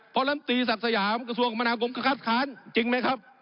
เพราะลำตีศักดิ์สยามกระทรวงคมนาคมก็คัดค้านจริงไหมครับ